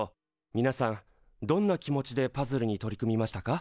みなさんどんな気持ちでパズルに取り組みましたか？